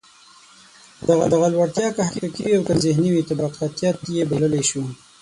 دغه لوړتیا که حقیقي وي او که ذهني وي، طبقاتيت یې بللای شو.